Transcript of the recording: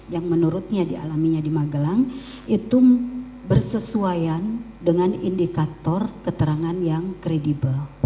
yang menurutnya dialaminya di magelang itu bersesuaian dengan indikator keterangan yang kredibel